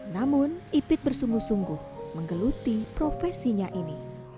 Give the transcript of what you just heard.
namun ipid bersungguh sungguh menggeluti profesinya ini